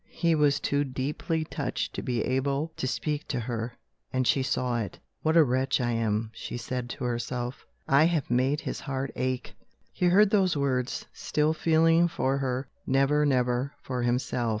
He was too deeply touched to be able to speak to her and she saw it. "What a wretch I am," she said to herself; "I have made his heart ache!" He heard those words. Still feeling for her never, never for himself!